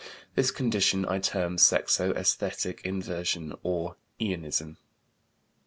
This condition I term sexo esthetic inversion, or Eonism.